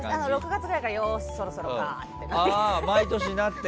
６月ぐらいからよし、そろそろかって。